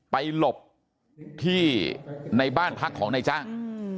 หลบที่ในบ้านพักของนายจ้าง